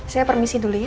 saya permisi dulu ya